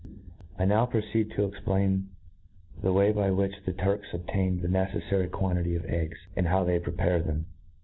I now proceed to explain the way by which the Turks obtain the neceflary quantity of eggs, and how they prepare them.